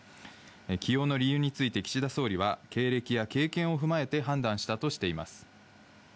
起用の理由について、岸田総理は、経歴や経験を踏まえて判断したとしています。